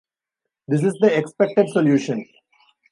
This is the expected solution.